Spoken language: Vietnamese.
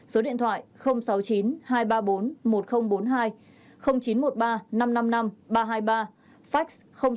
số điện thoại sáu mươi chín hai trăm ba mươi bốn một nghìn bốn mươi hai chín trăm một mươi ba năm trăm năm mươi năm ba trăm hai mươi ba fax sáu mươi chín hai trăm ba mươi bốn một nghìn bốn mươi bốn